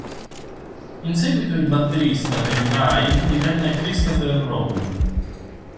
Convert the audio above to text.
In seguito il batterista per i live divenne Christopher Robin.